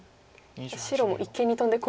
白も一間にトンで。